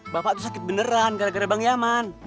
bapak tuh sakit beneran gara gara bang yaman